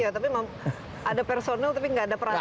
iya tapi memang ada personil tapi nggak ada perasaan